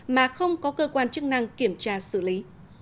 mà không có cơ quan chức năng kiểm tra xử lý